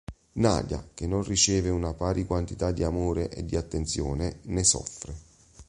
Nadia, che non riceve una pari quantità di amore e di attenzione, ne soffre.